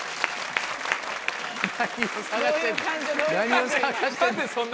何を探してんねん？